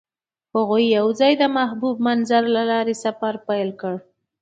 هغوی یوځای د محبوب منظر له لارې سفر پیل کړ.